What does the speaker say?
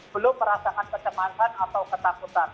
belum merasakan kecemasan atau ketakutan